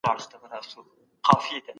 دا درې سوه دي.